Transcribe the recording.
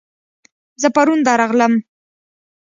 زه پرون درغلم